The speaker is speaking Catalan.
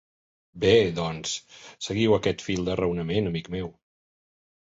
Bé, doncs, seguiu aquest fil de raonament, amic meu!